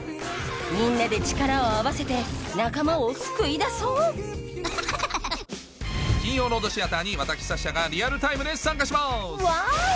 みんなで力を合わせて仲間を救い出そう金曜ロードシアターに私サッシャがリアルタイムで参加しますワオ！